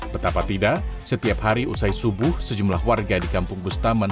betapa tidak setiap hari usai subuh sejumlah warga di kampung bustaman